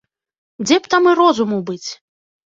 Дзе б там і розуму быць?!